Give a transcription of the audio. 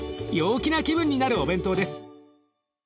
陽気な気分になるお弁当です。